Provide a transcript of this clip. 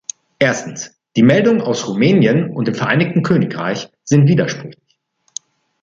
Erstens, die Meldungen aus Rumänien und dem Vereinigten Königreich sind widersprüchlich.